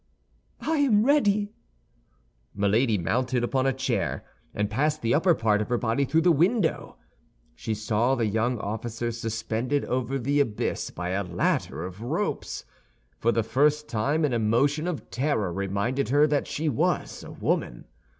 "I am ready." Milady mounted upon a chair and passed the upper part of her body through the window. She saw the young officer suspended over the abyss by a ladder of ropes. For the first time an emotion of terror reminded her that she was a woman.